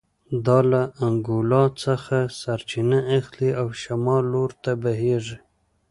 دا له انګولا څخه سرچینه اخلي او شمال لور ته بهېږي